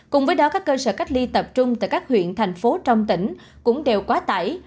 cùng với đó các cơ sở cách ly tập trung tại các huyện thành phố trong tỉnh cũng đều quá tải